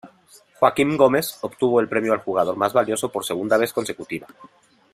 Joaquim Gomez obtuvo el premio al Jugador Mas Valioso por segunda vez consecutiva.